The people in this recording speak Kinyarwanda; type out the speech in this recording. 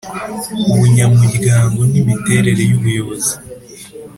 Ubunyamuryango n’imiterere y’ubuyobozi